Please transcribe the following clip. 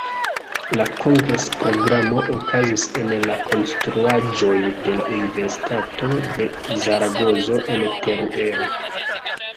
La kongres-programo okazis en la konstruaĵoj de la Universitato de Zaragozo en Teruelo.